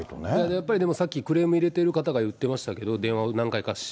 やっぱりでも、さっきクレーム入れてる方が言ってましたけど、電話を何回か。